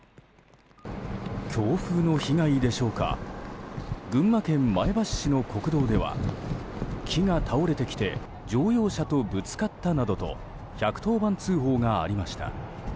強風の被害でしょうか群馬県前橋市の国道では木が倒れてきて乗用車とぶつかったなどと１１０番通報がありました。